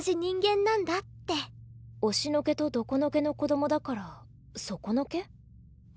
おしのけとどこのけの子供だからそこのけ？